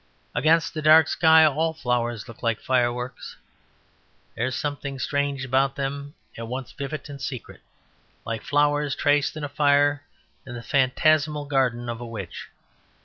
Against a dark sky all flowers look like fireworks. There is something strange about them, at once vivid and secret, like flowers traced in fire in the phantasmal garden of a witch.